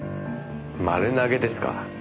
丸投げですか。